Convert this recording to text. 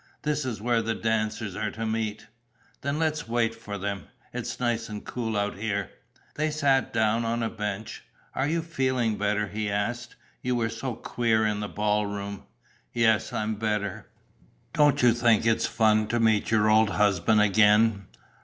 "This is where the dancers are to meet." "Then let's wait for them. It's nice and cool out here." They sat down on a bench. "Are you feeling better?" he asked. "You were so queer in the ball room." "Yes, I'm better." "Don't you think it's fun to meet your old husband again?"